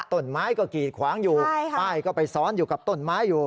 ต้นไม้ก็กีดขวางอยู่ป้ายก็ไปซ้อนอยู่กับต้นไม้อยู่